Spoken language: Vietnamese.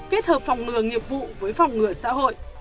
kết hợp phòng ngừa nghiệp vụ với phòng ngừa xã hội